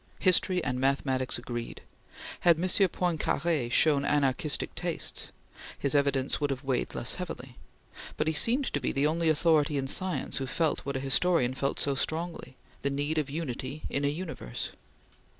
History and mathematics agreed. Had M. Poincare shown anarchistic tastes, his evidence would have weighed less heavily; but he seemed to be the only authority in science who felt what a historian felt so strongly the need of unity in a universe.